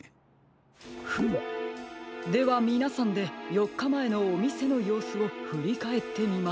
フムではみなさんでよっかまえのおみせのようすをふりかえってみましょう。